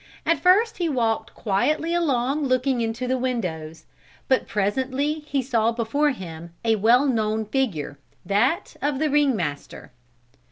At first he walked quietly along looking into the windows, but presently he saw before him a well known figure, that of the ring master.